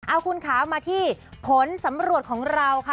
เอาคุณคะมาที่ผลสำรวจของเราค่ะ